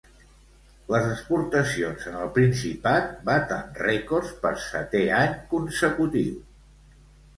Les exportacions en el Principat baten rècords per setè any consecutiu.